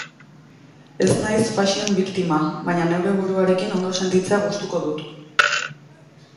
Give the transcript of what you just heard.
Ez naiz fashion victim-a, baina neure buruarekin ondo sentitzea gustuko dut.